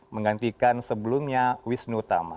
menggantikan sebelumnya wisnu utama